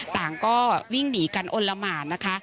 ต่างก็วิ่งหนีกันอลละหมานนะคะ